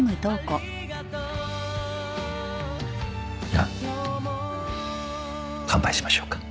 じゃあ乾杯しましょうか。